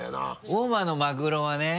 大間のマグロはね